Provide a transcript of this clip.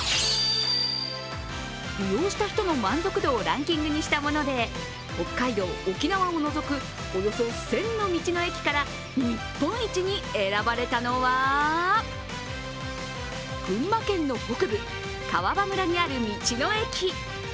利用した人の満足度をランキングにしたもので、北海道、沖縄を除くおよそ１０００の道の駅から日本一に選ばれたのは群馬県の北部、川場村にある道の駅。